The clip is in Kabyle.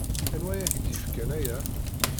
Anwa ay ak-d-yefkan aya?